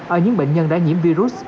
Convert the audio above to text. ở những bệnh nhân đã nhiễm virus